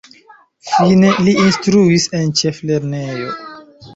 Fine li instruis en ĉeflernejo.